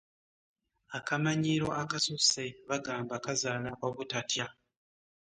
Akamanyiiro akasusse bagamba kazaala obutatya.